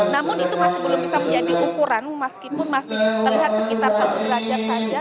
namun itu masih belum bisa menjadi ukuran meskipun masih terlihat sekitar satu derajat saja